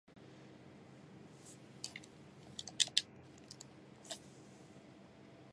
現地の日本大使館によると、日本人が巻き込まれたという情報は今のところ入っていないという。